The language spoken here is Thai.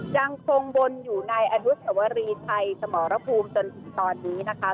ยังคงวนอยู่ในอนุสวรีไทยสมรภูมิจนถึงตอนนี้นะคะ